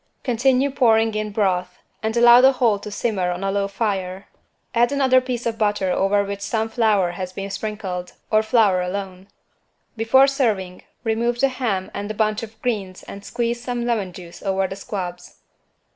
Continue pouring in broth and allow the whole to simmer on a low fire. Add another piece of butter over which some flour has been sprinkled, or flour alone. Before serving, remove the ham and the bunch of greens and squeeze some lemon juice over the squabs.